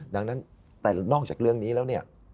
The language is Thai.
ดังนั้นแต่นอกจากเรื่องนี้แล้วเนี่ย